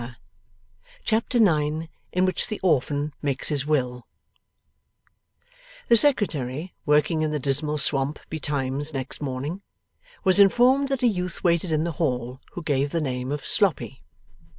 Chapter 9 IN WHICH THE ORPHAN MAKES HIS WILL The Secretary, working in the Dismal Swamp betimes next morning, was informed that a youth waited in the hall who gave the name of Sloppy.